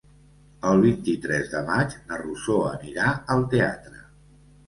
El vint-i-tres de maig na Rosó anirà al teatre.